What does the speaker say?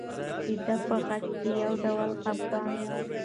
د ده په غږ کې یو ډول خپګان و.